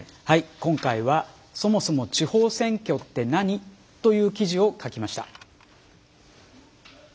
今回は「そもそも地方選挙って何？」という記事を書きました。